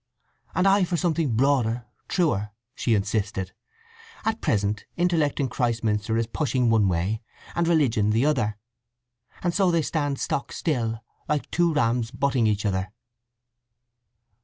"And I for something broader, truer," she insisted. "At present intellect in Christminster is pushing one way, and religion the other; and so they stand stock still, like two rams butting each other."